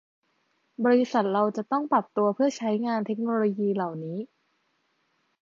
บริษัทเราจะต้องปรับตัวเพื่อใช้งานเทคโนโลยีเหล่านี้